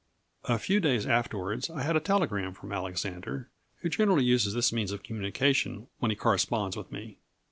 A few days afterwards I had a telegram from Alexander, who generally uses this means of communication when he corresponds with me.